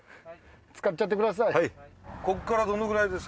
使っちゃってください。